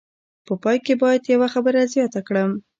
په پای کې باید یوه خبره زیاته کړم.